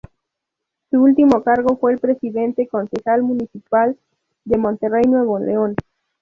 Su último cargo fue de Presidente Concejal Municipal de Monterrey, Nuevo León.